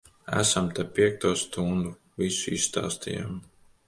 Esam te piekto stundu. Visu izstāstījām.